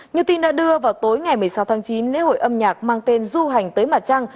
như tin đã đưa vào tối ngày một mươi sáu tháng chín lễ hội âm nhạc mang tên du hành tới mặt trăng